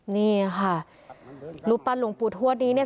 นี่ค่ะรูปปั้นหลวงปู่ทวดนี้เนี่ย